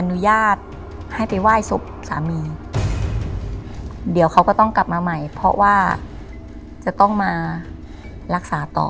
อนุญาตให้ไปไหว้ศพสามีเดี๋ยวเขาก็ต้องกลับมาใหม่เพราะว่าจะต้องมารักษาต่อ